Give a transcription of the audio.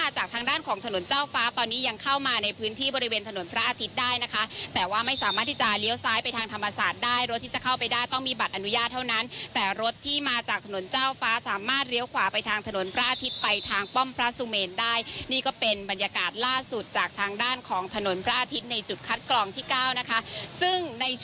จากทางด้านของถนนเจ้าฟ้าตอนนี้ยังเข้ามาในพื้นที่บริเวณถนนพระอาทิตย์ได้นะคะแต่ว่าไม่สามารถที่จะเลี้ยวซ้ายไปทางธรรมศาสตร์ได้รถที่จะเข้าไปได้ต้องมีบัตรอนุญาตเท่านั้นแต่รถที่มาจากถนนเจ้าฟ้าสามารถเลี้ยวขวาไปทางถนนพระอาทิตย์ไปทางป้อมพระสุเมนได้นี่ก็เป็นบรรยากาศล่าสุดจากทางด้านของถนนพระอาทิตย์ในจุดคัดกรองที่เก้านะคะซึ่งใน